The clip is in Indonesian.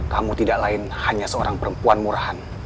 kamu tidak lain hanya seorang perempuan murahan